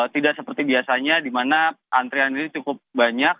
tidak seperti biasanya di mana antrian ini cukup banyak